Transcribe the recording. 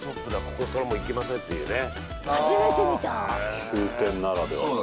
こっからもう行けませんっていうね。